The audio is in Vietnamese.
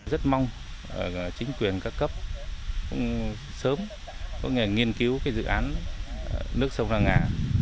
rất mong chính quyền các cấp sớm có nghề nghiên cứu cái dự án nước sông la ngà